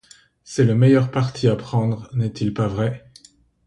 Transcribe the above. C’est le meilleur parti à prendre, n’est-il pas vrai?